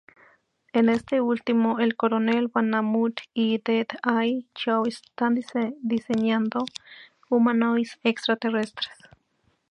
En este último, el Coronel Bahamut y Dead-Eye Joe están diseñando humanoides-extraterrestres.